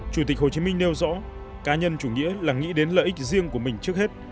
chủ tịch hồ chí minh nêu rõ cá nhân chủ nghĩa là nghĩ đến lợi ích riêng của mình trước hết